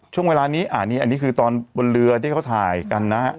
ช่วงเวลานี้อันนี้คือตอนบนเรือที่เขาถ่ายกันนะฮะ